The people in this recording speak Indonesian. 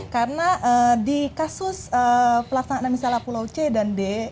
karena di kasus pelastanaan misalnya pulau c dan d